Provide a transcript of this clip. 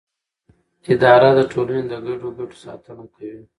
اداره د ټولنې د ګډو ګټو ساتنه کوي.